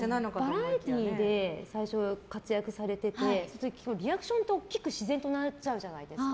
バラエティーで最初活躍されててリアクションとか大きく自然となっちゃうじゃないですか。